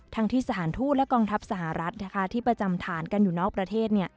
ทั้งที่สหันธูปและกองทัพสหรัฐที่ประจำทานอยู่นอกประเทศ